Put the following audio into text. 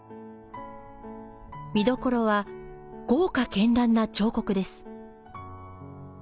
見所は、豪華絢爛な彫刻です。